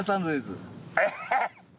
えっ！